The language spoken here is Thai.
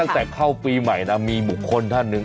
ตั้งแต่เข้าปีใหม่นะมีบุคคลท่านหนึ่ง